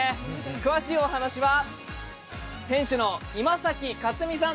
詳しいお話は店主の今崎勝美さん